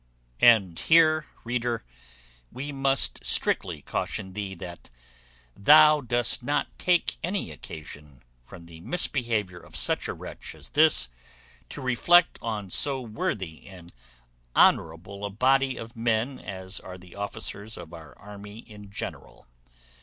And here, reader, we must strictly caution thee that thou dost not take any occasion, from the misbehaviour of such a wretch as this, to reflect on so worthy and honourable a body of men as are the officers of our army in general.